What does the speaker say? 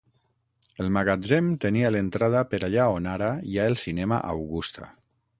El magatzem tenia l'entrada per allà on ara hi ha el cinema Augusta.